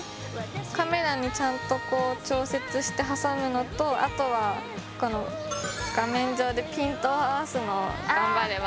カメラにちゃんとこう調節して挟むのとあとはこの画面上でピントを合わすのを頑張れば。